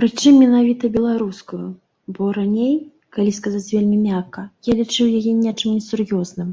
Прычым менавіта беларускую, бо раней, калі сказаць вельмі мякка, я лічыў яе нечым несур'ёзным.